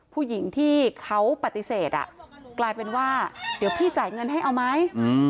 ผู้หญิงที่เขาปฏิเสธกลายเป็นว่าเดี๋ยวพี่จ่ายเงินให้เอาไหม